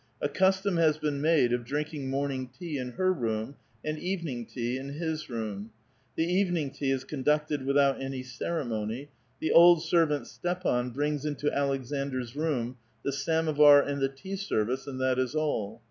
A custom has been made of drinking morning tea in her room, and evening tea in his room. The evenin«r tea is conducted without anv ceremony ; the old servant, Stepan, brings into Aleksandr's room the samovar and the tea service, and that is all.